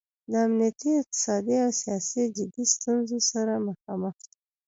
د امنیتي، اقتصادي او سیاسي جدي ستونځو سره مخامخ دی.